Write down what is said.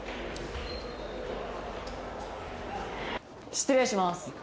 失礼します。